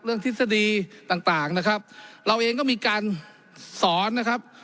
ทฤษฎีต่างต่างนะครับเราเองก็มีการสอนนะครับ